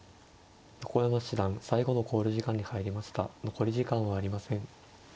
残り時間はありません。